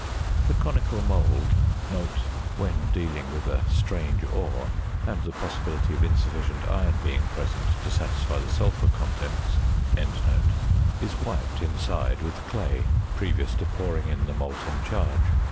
The conical mould (when dealing with a "strange" ore, and the possibility of insufficient iron being present to satisfy the sulphur contents) is wiped inside with clay previous to pouring in the molten charge.